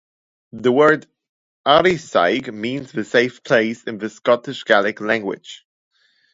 The word Arisaig means "the safe place" in the Scottish Gaelic language.